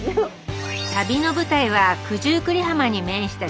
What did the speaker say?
旅の舞台は九十九里浜に面した